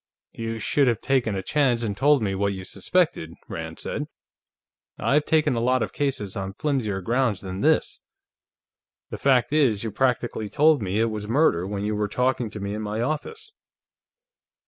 "You should have taken a chance and told me what you suspected," Rand said. "I've taken a lot of cases on flimsier grounds than this. The fact is, you practically told me it was murder, when you were talking to me in my office."